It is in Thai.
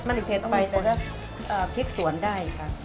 มันเผ็ดไปแต่ก็พริกสวนได้ค่ะ